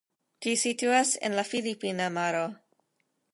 Ĝi situas en la filipina maro.